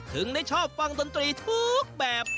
ถึงได้ชอบฟังดนตรีทุกแบบ